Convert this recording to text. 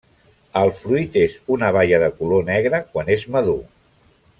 El fruit és una baia de color negre quan és madur.